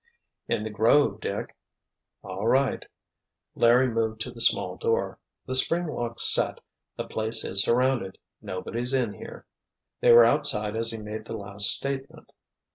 "In the grove, Dick." "All right," Larry moved to the small door. "The spring lock's set. The place is surrounded. Nobody's in here—" They were outside as he made the last statement.